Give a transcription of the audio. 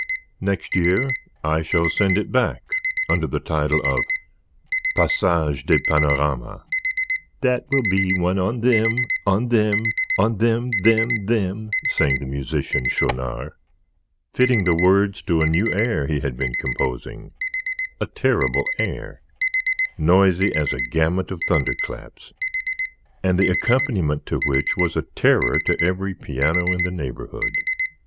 Next year I shall send it back under the title of 'Passage des Panoramas.'" "That will be one on them on them on them, them, them," sang the musician, Schaunard, fitting the words to a new air he had been composing a terrible air, noisy as a gamut of thunderclaps, and the accompaniment to which was a terror to every piano in the neighborhood.